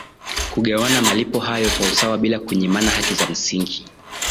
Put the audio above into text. kugawana malipo hayo kwa usawa bila kunyimana haki za msingi